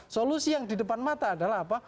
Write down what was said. solusi yang di depan mata adalah apa